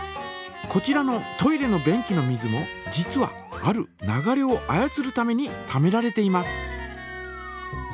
こちらのトイレの便器の水も実はある流れを操るためにためられています。